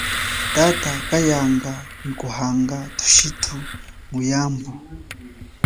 Tata kayanga nyi kuhanga thushitu muyambu.